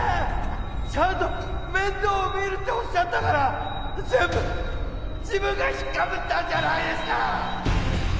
ちゃんと面倒見るっておっしゃったから全部自分がひっ被ったんじゃないですか！